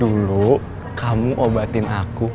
dulu kamu obatin aku